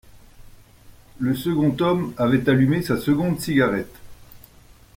Le second homme avait allumé sa seconde cigarette.